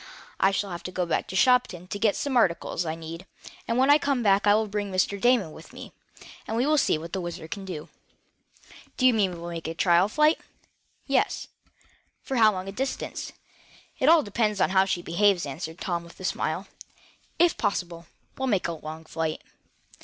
I shall have to go back to Shopton to get some articles I need, and when I come back I will bring Mr. Damon with me, and we will see what the WHIZZER can do." "Do you mean we will make a trial flight?" "Yes." "For how long a distance?" "It all depends on how she behaves," answered Tom, with a smile. "If possible, we'll make a long flight."